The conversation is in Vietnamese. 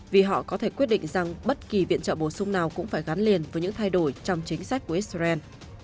vì họ có thể quyết định rằng bất kỳ viện trợ bổ sung nào cũng phải gắn liền với những thay đổi trong chính sách của israel